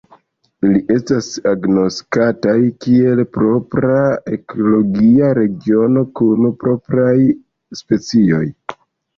Ili estas agnoskataj kiel propra ekologia regiono kun propraj specioj.